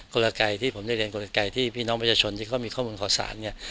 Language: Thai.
กลไกที่ผมได้เรียนกลไกที่พี่น้องประชาชนที่เขามีข้อมูลข่าวสารเนี่ย